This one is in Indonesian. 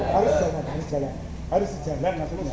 harus jalan harus jalan